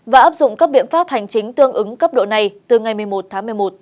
và áp dụng các biện pháp hành chính tương ứng cấp độ này từ ngày một mươi một tháng một mươi một